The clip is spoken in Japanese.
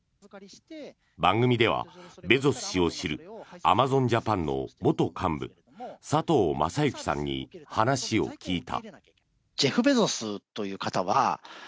番組ではベゾス氏を知るアマゾンジャパンの元幹部佐藤将之さんに話を聞いた。